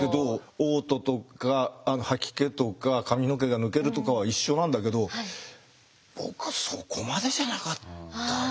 おう吐とか吐き気とか髪の毛が抜けるとかは一緒なんだけど僕はそこまでじゃなかったな。